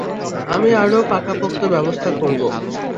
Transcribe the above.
আমি আরো পাকাপোক্ত ব্যবস্থা করবো।